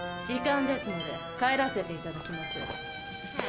時間ですので帰らせていただきます。